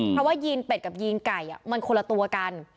เพราะว่ายีนเป็ดกับยีนไก่มันคนละตัวกัน